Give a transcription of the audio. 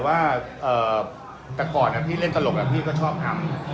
แต่ตกก่อนพี่เล่นตลกก็ชอบอำ